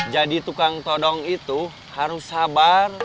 jadi tukang todong itu harus sabar